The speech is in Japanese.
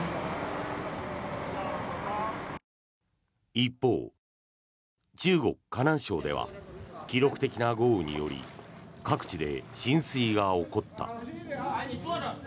一方、中国・河南省では記録的な豪雨により各地で浸水が起こった。